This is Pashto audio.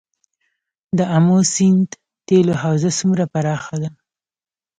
د امو سیند تیلو حوزه څومره پراخه ده؟